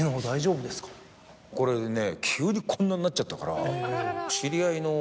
これね。